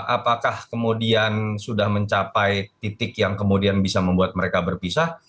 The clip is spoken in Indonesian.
apakah kemudian sudah mencapai titik yang kemudian bisa membuat mereka berpisah